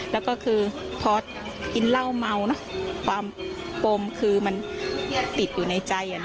แล้วก็คือพอกินเหล้าเมานะความปมคือมันติดอยู่ในใจ